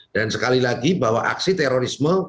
dan sekali lagi bahwa aksi terorisme